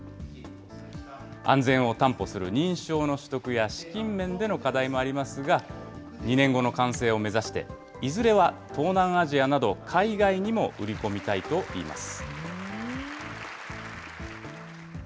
安全を担保する認証の取得や資金面での課題もありますが、２年後の完成を目指して、いずれは東南アジアなど、海外にも売り込みたいといいます。